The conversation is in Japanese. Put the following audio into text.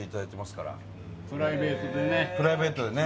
プライベートでね。